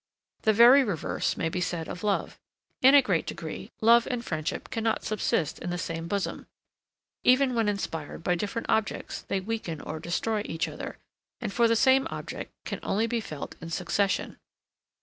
The very reverse may be said of love. In a great degree, love and friendship cannot subsist in the same bosom; even when inspired by different objects they weaken or destroy each other, and for the same object can only be felt in succession.